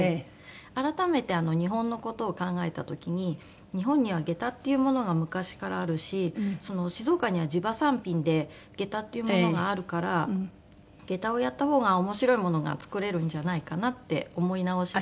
改めて日本の事を考えた時に日本には下駄っていうものが昔からあるし静岡には地場産品で下駄っていうものがあるから下駄をやったほうが面白いものが作れるんじゃないかなって思い直して。